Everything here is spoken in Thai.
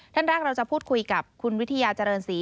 ท่านแรกเราจะพูดคุยกับคุณวิทยาเจริญศรี